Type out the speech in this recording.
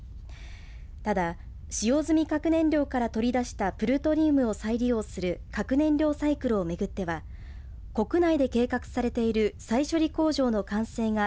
ただ、使用済み核燃料から取り出したプルトニウムを再利用する核燃料サイクルを巡っては国内で計画されている再処理工場の完成が